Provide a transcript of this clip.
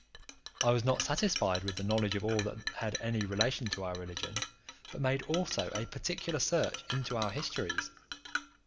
I was not satisfied with the knowledge of all that had any relation to our religion, but made also a particular search into our histories.